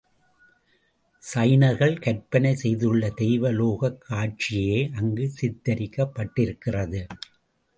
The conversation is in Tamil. ஜைனர்கள் கற்பனை செய்துள்ள தெய்வ லோகக் காட்சியே அங்கு சித்திரிக்கப்பட்டிருக்கிறது.